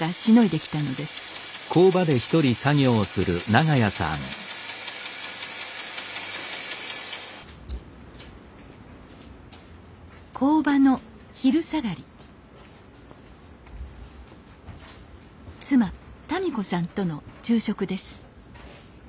妻・たみ子さんとの昼食です